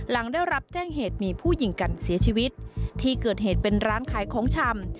หลังได้รับแจ้งเหตุมีผู้หญิงกันเสียชีวิตที่เกิดเหตุเป็นร้านขายของชำ